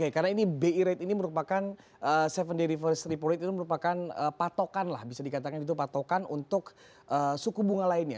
karena ini bi rate ini merupakan patokan lah bisa dikatakan itu patokan untuk suku bunga lainnya